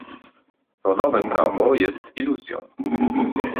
To nowe "prawo" jest iluzją